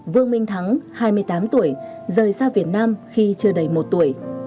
vương minh thắng hai mươi tám tuổi rời xa việt nam khi chưa đầy một tuổi